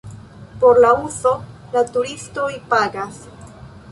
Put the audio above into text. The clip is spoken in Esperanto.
Por la uzo la turistoj pagas.